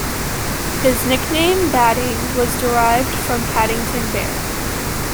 His nickname Badding was derived from Paddington Bear.